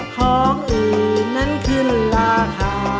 ของอื่นนั้นขึ้นราคา